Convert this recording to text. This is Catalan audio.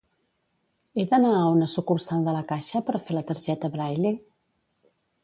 He d'anar a una sucursal de la Caixa per fer la targeta Braille?